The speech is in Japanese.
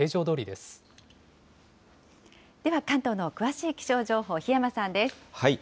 では関東の詳しい気象情報、檜山さんです。